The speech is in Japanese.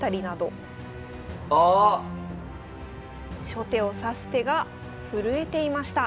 初手を指す手が震えていました。